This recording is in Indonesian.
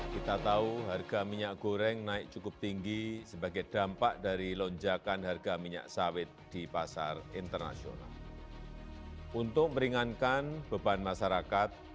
pemerintah akan menyalurkan bantuan langsung tunai kepada keluarga penerima bantuan pangan non tunai dan pedagang kaki lima di tengah melonjaknya harga minyak goreng